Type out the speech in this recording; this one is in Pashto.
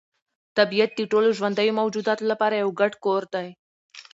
طبیعت د ټولو ژوندیو موجوداتو لپاره یو ګډ کور دی.